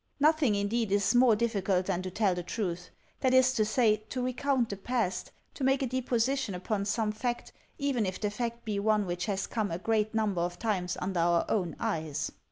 Nothing, indeed, is more difficult than to tell the truth; that is to say, to recount the past, to make a deposition upon some fact, even if the fact be one which has come a great number of times under our own eyes.